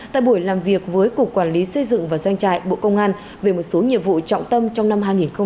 tại buổi làm việc với cục quản lý xây dựng và doanh trại bộ công an về một số nhiệm vụ trọng tâm trong năm hai nghìn hai mươi ba